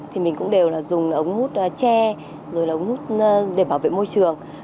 thì mình cũng đều là dùng ống hút tre rồi là ống hút để bảo vệ môi trường